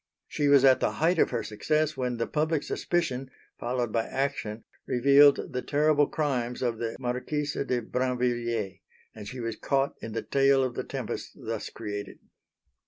She was at the height of her success when the public suspicion, followed by action, revealed the terrible crimes of the Marquise de Brinvilliers; and she was caught in the tail of the tempest thus created.